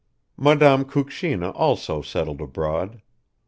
. Madame Kukshina also settled abroad.